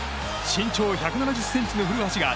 身長１７０ｃｍの古橋が